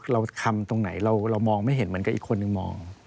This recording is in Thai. เราทำตรงไหนเรามองไม่เห็นเหมือนกับอีกคนนึงมอง